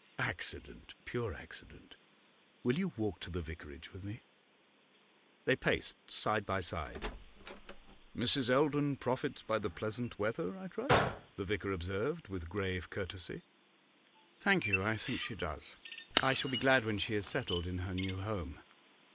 'Accident, pure accident. Will you walk to the vicarage with me?' They paced side by side. 'Mrs. Eldon profits by the pleasant weather, I trust?' the vicar observed, with grave courtesy. 'Thank you, I think she does. I shall be glad when she is settled in her new home.